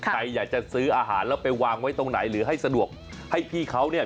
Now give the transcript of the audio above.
ใครอยากจะซื้ออาหารแล้วไปวางไว้ตรงไหนหรือให้สะดวกให้พี่เขาเนี่ย